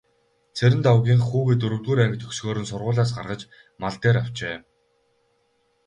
Цэрэндагвынх хүүгээ дөрөвдүгээр анги төгсөхөөр нь сургуулиас гаргаж мал дээр авчээ.